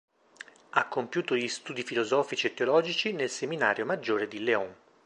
Ha compiuto gli studi filosofici e teologici nel seminario maggiore di León.